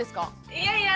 いやいや。